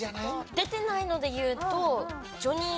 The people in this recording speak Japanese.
出てないのでいうとジョニー。